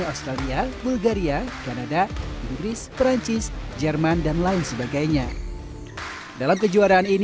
australia bulgaria kanada inggris perancis jerman dan lain sebagainya dalam kejuaraan ini